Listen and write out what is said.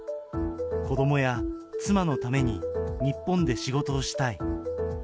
子どもや妻のために日本で仕事をしたい。